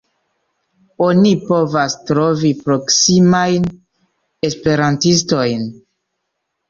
Oni povas trovi proksimajn esperantistojn.